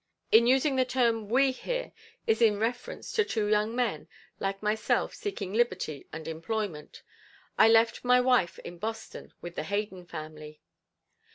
In using the term we here is in reference to two young men, like myself seeking liberty and employment. I left my wife in Boston with the Hayden family.